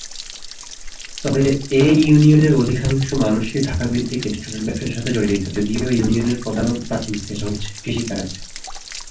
তবে এ ইউনিয়নের অধিকাংশ মানুষই ঢাকা ভিত্তিক রেস্টুরেন্ট ব্যবসার সাথে জড়িত, যদিও ইউনিয়নের প্রধান ও প্রাচীন পেশা হচ্ছে কৃষি কাজ।